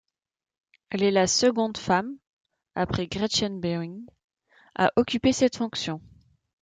Elle est la seconde femme, après Gretchen Brewin, à occuper cette fonction.